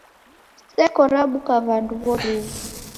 Seko rabuka w'andu w'oruw'u.